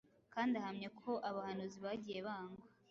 kandi ahamya uko abahanuzi bagiye bangwa